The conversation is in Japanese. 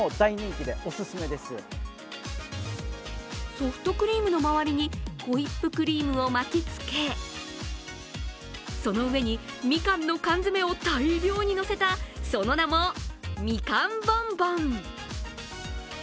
ソフトクリームの周りにホイップクリームを巻きつけ、その上にみかんの缶詰を大量にのせたその名も、みかんぼんぼん。